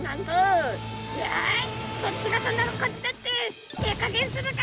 「よしそっちがそんならこっちだって手加減するか」。